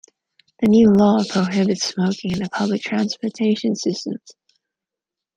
The new law prohibits smoking in public transportation systems.